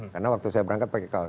karena waktu saya berangkat pakai kaos